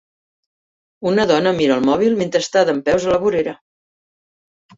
Una dona mira el mòbil mentre està dempeus a la vorera.